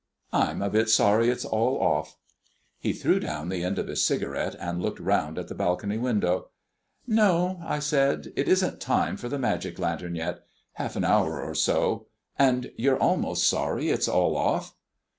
I'm a bit sorry it's all off." He threw down the end of his cigarette, and looked round at the balcony window. "No," I said, "it isn't time for the magic lantern yet. Half an hour or so. And you're almost sorry it's all off?"